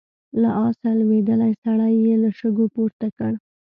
له آسه لوېدلی سړی يې له شګو پورته کړ.